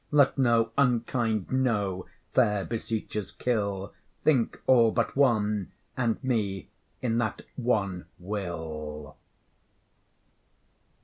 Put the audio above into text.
Let no unkind 'No' fair beseechers kill; Think all but one, and me in that one 'Will.